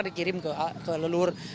dikirim ke lelur